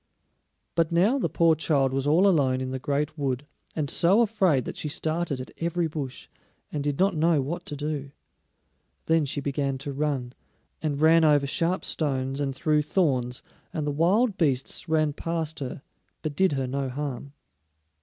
But now the poor child was all alone in the great wood, and so afraid that she started at every bush, and did not know what to do. Then she began to run, and ran over sharp stones and through thorns, and the wild beasts ran past her, but did her no harm.